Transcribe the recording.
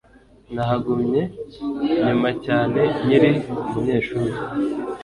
Nahagumye nyuma cyane nkiri umunyeshuri